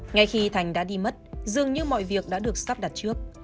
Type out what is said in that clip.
ngay khi thành đã đi mất dường như mọi việc đã được sắp đặt trước